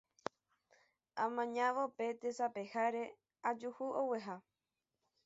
Amañávo pe tesapeháre ajuhu ogueha.